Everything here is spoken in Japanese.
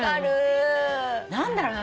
何だろうね。